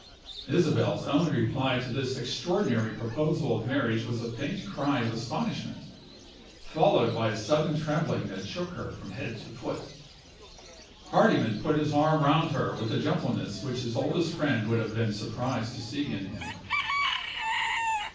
Isabel's only reply to this extraordinary proposal of marriage was a faint cry of astonishment, followed by a sudden trembling that shook her from head to foot. Hardyman put his arm round her with a gentleness which his oldest friend would have been surprised to see in him.